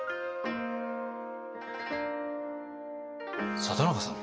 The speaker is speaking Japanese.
里中さん